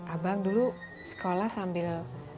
abang dulu sekolah sambil